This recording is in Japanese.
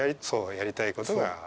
そうやりたいことが。